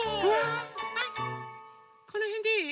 このへんでいい？